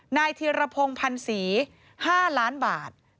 นายธิระพงภัณษี๕ล้านบาท